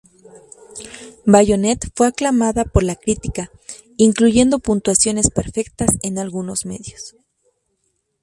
Bayonetta fue aclamado por la crítica, incluyendo puntuaciones perfectas en algunos medios.